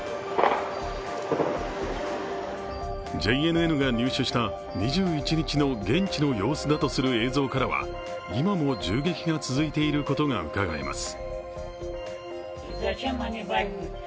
ＪＮＮが入手した２１日の現地の様子だとする映像からは、今も銃撃が続いていることがうかがえます。